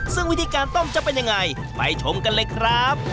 ซึ่งวิธีการต้มจะเป็นยังไงไปชมกันเลยครับ